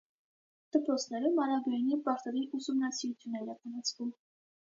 Դպրոցներում արաբերենի պարտադիր ուսումնասիրություն է իրականացվում։